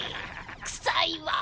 くさいわ。